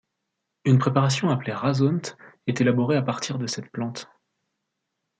Une préparation appelée rasaunt est élaborée à partir de cette plante.